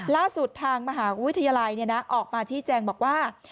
ล่าสุดทางมหาวิทยาลัยออกมาที่แจงบอกว่า